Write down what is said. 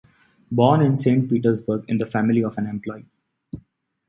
Born in Saint Petersburg in the family of an employee.